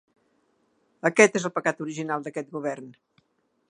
Aquest és el pecat original d’aquest govern.